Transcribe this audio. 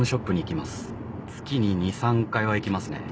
月に２３回は行きますね。